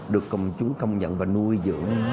được công chúng công nhận và nuôi dưỡng